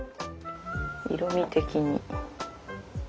色み的に。